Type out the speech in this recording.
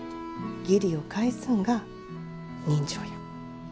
義理を返すんが人情や。